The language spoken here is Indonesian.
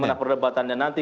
bagaimana perdebatannya nanti